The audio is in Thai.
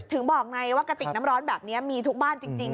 ถึงบอกไงว่ากระติกน้ำร้อนแบบนี้มีทุกบ้านจริง